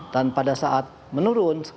dan pada saat menurun